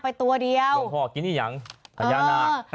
พ่อกินอีกอย่างพญานาค